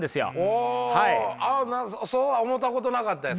ああそうは思うたことなかったです。